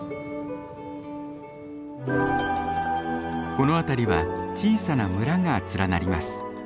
この辺りは小さな村が連なります。